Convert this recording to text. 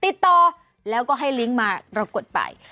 ติดต่อแล้วก็ให้ลิงก์มาเรากดไป